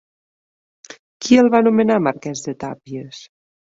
Qui el va nomenar marquès de Tàpies?